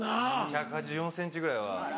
１８４ｃｍぐらいは。